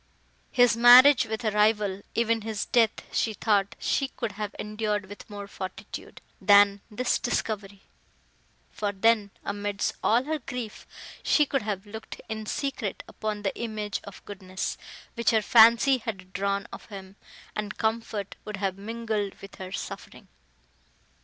His marriage with a rival, even his death, she thought she could have endured with more fortitude, than this discovery; for then, amidst all her grief, she could have looked in secret upon the image of goodness, which her fancy had drawn of him, and comfort would have mingled with her suffering!